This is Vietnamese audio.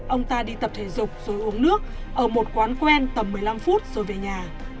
ông ta đi tập thể dục rồi uống nước ở một quán quen tầm một mươi năm phút rồi về nhà